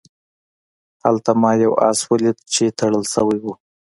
هلته ما یو آس ولید چې تړل شوی و.